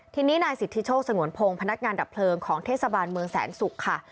ทีนี้นายสิทธิโชคสงวนพงศ์พนักงานดับเพลิงของเทศบาลเมืองแสนศุกร์ค่ะ